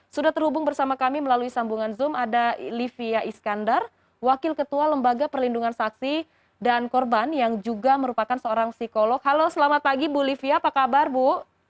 sudah terhubung bersama kami melalui sambungan zoom ada livia iskandar wakil ketua lembaga perlindungan saksi dan korban yang juga merupakan seorang psikolog halo selamat pagi bu livia apa kabar bu